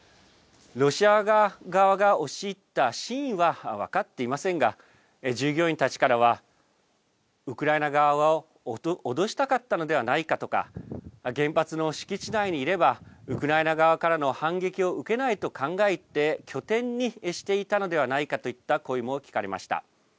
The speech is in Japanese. ロシア側が押し入った真意は分かっていませんが、従業員たちからは、ウクライナ側を脅したかったのではないかとか、原発の敷地内にいれば、ウクライナ側からの反撃を受けないと考えて拠点にしていたのではないかといった声も聞かれました。